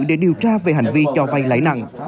để điều tra về hành vi cho vay lãi nặng